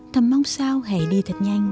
thầm mong sao hãy đi thật nhanh